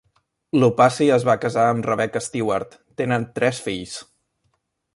Loupassi es va casar amb Rebecca Stewart; tenen tres fills.